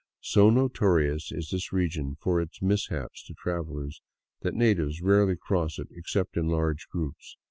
So notorious is this region for its mishaps to travelers that natives rarely cross it except in large groups.